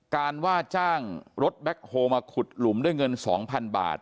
ว่าจ้างรถแบ็คโฮลมาขุดหลุมด้วยเงิน๒๐๐๐บาท